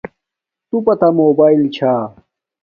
توپا تا موباݵل چھا